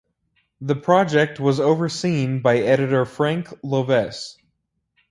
The project was overseen by editor Frank Lovece.